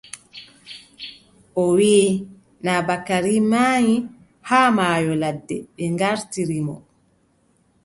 O wiʼi , naa Bakari maayi, haa maayo ladde. ɓe ŋgartiri mo.